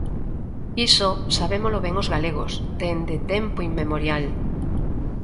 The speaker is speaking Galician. Iso sabémolo ben os galegos dende tempo inmemorial.